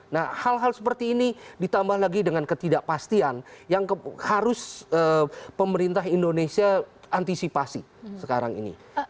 nah hal hal seperti ini ditambah lagi dengan ketidakpastian yang harus pemerintah indonesia antisipasi sekarang ini